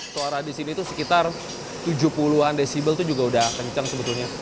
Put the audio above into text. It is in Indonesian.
suara di sini itu sekitar tujuh puluh an decibel itu juga udah kenceng sebetulnya